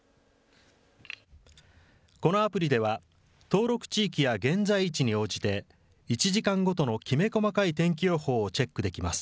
このアプリでは、登録地域や現在位置に応じて、１時間ごとのきめ細かい天気予報をチェックできます。